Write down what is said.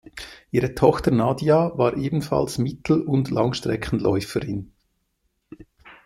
Ihre Tochter Nadja war ebenfalls Mittel- und Langstreckenläuferin.